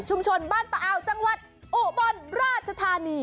บ้านปะอาวจังหวัดอุบลราชธานี